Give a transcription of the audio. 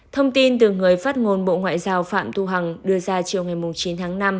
thông tin từ người phát ngôn bộ ngoại giao phạm thu hằng đưa ra chiều ngày chín tháng năm